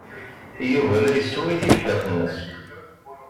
Yuba la yessway tibḥirt-nnes.